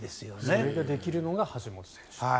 それができるのが橋本選手と。